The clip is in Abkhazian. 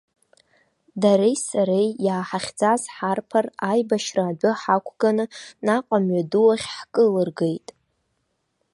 Дареи сареи иааҳахьӡаз ҳарԥар аибашьра адәы ҳақәганы, наҟ амҩаду ахь ҳкылыргеит.